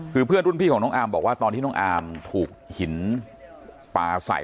คือเพื่อนรุ่นพี่ของน้องอาร์มบอกว่าตอนที่น้องอามถูกหินปลาใส่